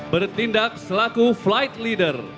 bertindak selaku flight leader